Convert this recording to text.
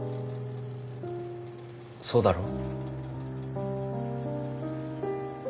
そうだろ？